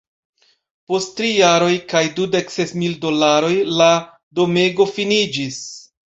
Post tri jaroj kaj dudek ses mil dolaroj, la domego finiĝis.